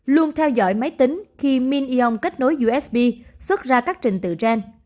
luôn theo dõi máy tính khi minion kết nối usb xuất ra các trình tự gen